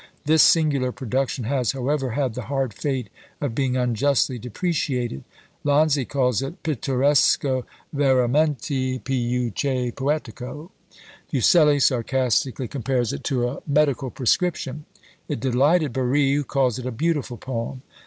This singular production has, however, had the hard fate of being unjustly depreciated: Lanzi calls it pittoresco veramente piÃṗ che poetico; Fuseli sarcastically compares it to "a medical prescription." It delighted Barry, who calls it "a beautiful poem.